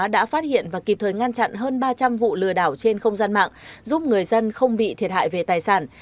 đã phát hiện và kịp thời ngăn chặn hơn ba trăm linh vụ lừa đảo trên không gian mạng giúp người dân không bị thiệt hại về tài sản